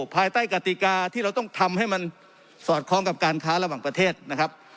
ภายใต้กติกาที่เราต้องทำให้มันสอดคล้องกับการค้าระหว่างประเทศนะครับ